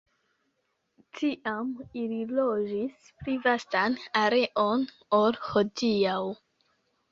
Tiam ili loĝis pli vastan areon ol hodiaŭ.